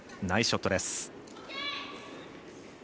ナイスショットです。